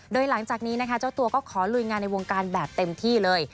โดยหลังจากนี้นะคะเจ้าตัวก็ขอลุยงานในวงการแบบเต็มที่เลย